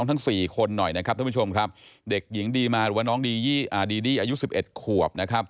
ถ้ารอปมั่นของดีดี้อายุ๑๑ขวบ